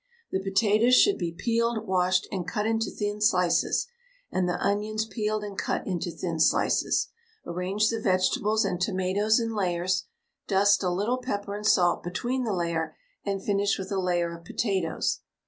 The potatoes should be peeled, washed, and cut into thin slices, and the onions peeled and cut into thin slices. Arrange the vegetables and tomatoes in layers; dust a little pepper and salt between the layer, and finish with a layer of potatoes.